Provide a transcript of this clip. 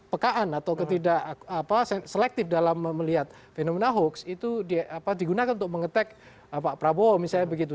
pekaan atau ketidak selektif dalam melihat fenomena hoax itu digunakan untuk mengetek pak prabowo misalnya begitu